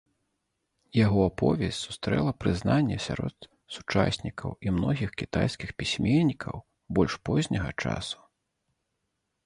Яго аповесць сустрэла прызнанне сярод сучаснікаў і многіх кітайскіх пісьменнікаў больш позняга часу.